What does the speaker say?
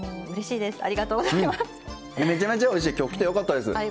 よかったです。